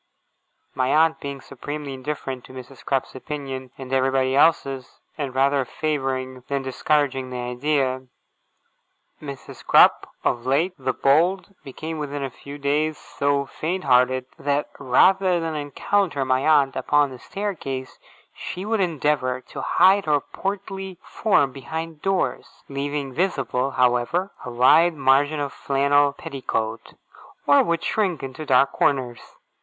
My aunt being supremely indifferent to Mrs. Crupp's opinion and everybody else's, and rather favouring than discouraging the idea, Mrs. Crupp, of late the bold, became within a few days so faint hearted, that rather than encounter my aunt upon the staircase, she would endeavour to hide her portly form behind doors leaving visible, however, a wide margin of flannel petticoat or would shrink into dark corners.